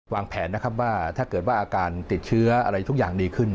วางแผนนะครับว่าถ้าเกิดว่าอาการติดเชื้ออะไรทุกอย่างดีขึ้น